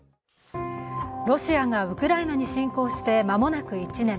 ロシアがウクライナに侵攻してまもなく１年。